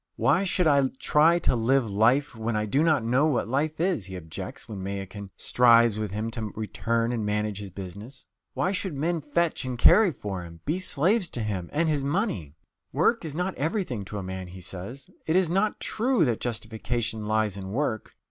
"Why should I try to live life when I do not know what life is?" he objects when Mayakin strives with him to return and manage his business. Why should men fetch and carry for him? be slaves to him and his money? "Work is not everything to a man," he says; "it is not true that justification lies in work